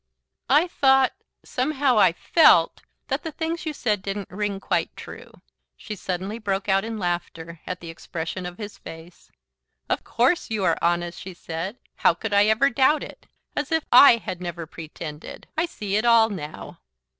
"I thought, somehow, I FELT, that the things you said didn't ring quite true." She suddenly broke out in laughter, at the expression of his face. "Of COURSE you are honest," she said. "How could I ever doubt it? As if I had never pretended! I see it all now."